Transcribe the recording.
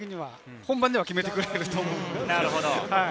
本番では決めてくれると思います。